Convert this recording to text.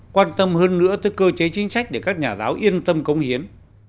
quan tâm hơn nữa tới cơ chế chính sách để các nhà giáo yên tâm công hiến